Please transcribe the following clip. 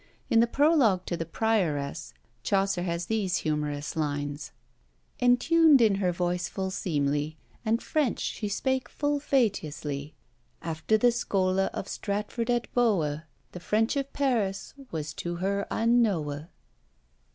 In the prologue to the Prioresse, Chaucer has these humorous lines: Entewned in her voice full seemly, And French she spake full feteously, After the Scole of Stratford at Bowe: The French of Paris was to her unknowe.